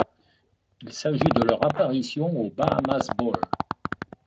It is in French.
Il s'agit de leur apparition au Bahamas Bowl.